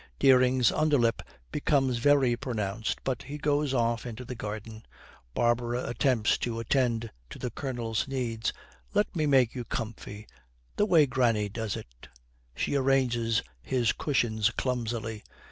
Dering's underlip becomes very pronounced, but he goes off into the garden. Barbara attempts to attend to the Colonel's needs. 'Let me make you comfy the way granny does it.' She arranges his cushions clumsily.